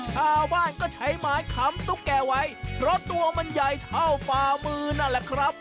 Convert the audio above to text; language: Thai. ชาวบ้านก็ใช้ไม้ขำตุ๊กแก่ไว้เพราะตัวมันใหญ่เท่าฝ่ามือนั่นแหละครับ